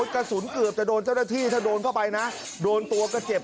กระสุนเกือบจะโดนเจ้าหน้าที่ถ้าโดนเข้าไปนะโดนตัวก็เจ็บ